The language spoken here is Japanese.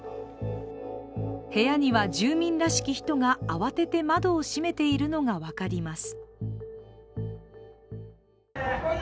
部屋には住民らしき人が慌てて窓を閉めているのが分かります。